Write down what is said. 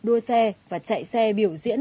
đua xe và chạy xe biểu diễn